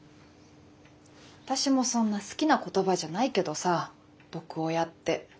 私もそんな好きな言葉じゃないけどさ毒親って。